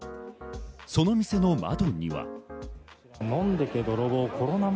その店の窓には。